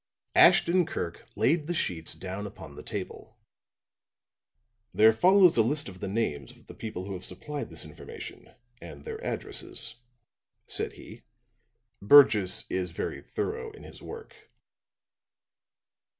'" Ashton Kirk laid the sheets down upon the table. "There follows a list of the names of the people who have supplied this information and their addresses," said he. "Burgess is very thorough in his work."